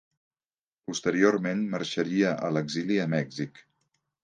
Posteriorment marxaria a l'exili a Mèxic.